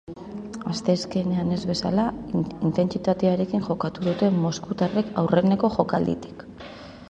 Asteazkenean ez bezala, intentsitatearekin jokatu dute moskutarrek aurreneko jokalditik.